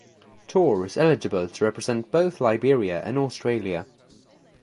Toure is eligible to represent both Liberia and Australia.